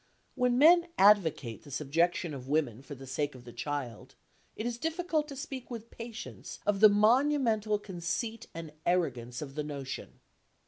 When men advocate the subjection of women for the sake of the child, it is difficult to speak with patience of the monumental conceit and arrogance of the notion.